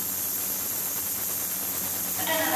قومانده ورکول د مسؤلیت احساس غواړي.